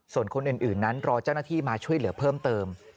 ส่วนคนอื่นนั้นรอเจ้าหน้าที่มาช่วยเหลือเพิ่มเติม